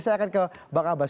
saya akan kebak abas